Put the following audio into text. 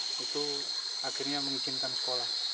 itu akhirnya mengizinkan sekolah